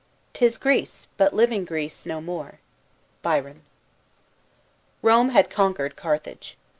" Tis Greece, but living Greece no more." BYRON. ROME had conquered Carthage.